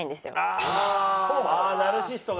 ああナルシストが。